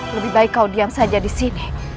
lebih baik kau diam saja di sini